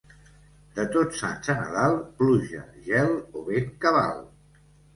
De Tots Sants a Nadal, pluja, gel o vent cabal.